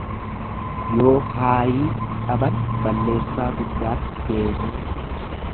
Yoo haayii dhaban balleessaa guddaatti deemuu.